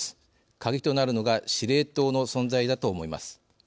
カギとなるのが司令塔の存在だと思います。